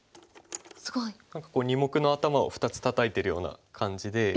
すごい。何か２目の頭を２つタタいてるような感じで。